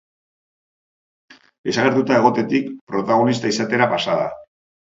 Desagertuta egotetik protagonista izatera pasa da.